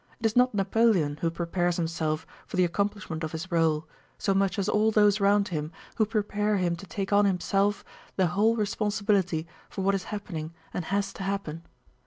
It is not Napoleon who prepares himself for the accomplishment of his role, so much as all those round him who prepare him to take on himself the whole responsibility for what is happening and has to happen.